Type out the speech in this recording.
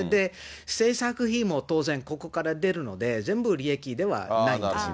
制作費も当然、ここから出るので、全部利益ではないんですね。